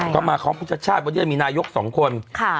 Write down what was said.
ก็มาของประชาติประเทศมีนายกสองคน